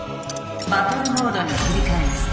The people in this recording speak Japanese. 「バトルモードに切り替えます。